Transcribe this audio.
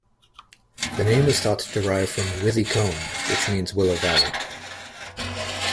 The name is thought to derive from 'Withy-combe' which means Willow Valley.